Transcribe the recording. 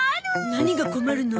何が困るの？